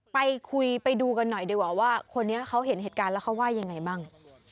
ไปคุยไปดูกันหน่อยดีกว่าว่าคนนี้เขาเห็นเหตุการณ์แล้วเขาว่ายังไงบ้าง